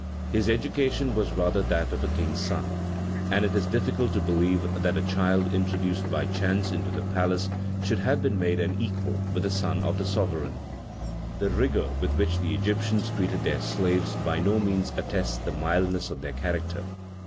His education was rather that of a king's son, and it is difficult to believe that a child introduced by chance into the palace should have been made an equal with the son of the sovereign. The rigor with which the Egyptians treated their slaves by no means attests the mildness of their character.